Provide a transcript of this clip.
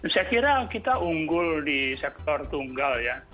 saya kira kita unggul di sektor tunggal ya